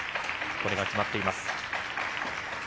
これが決まっています。